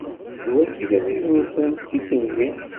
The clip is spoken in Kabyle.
D wagi i d abrid-nsen: d tiselbi.